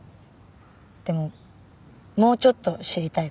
でももうちょっと知りたいかも。